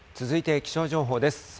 続いて気象情報です。